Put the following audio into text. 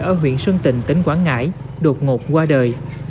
ở huyện xuân tình tỉnh quảng ngãi đột ngột qua đời